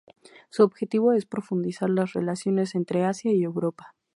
Su objetivo es profundizar las relaciones entre Asia y Europea.